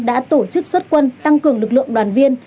đã tổ chức xuất quân tăng cường lực lượng đoàn viên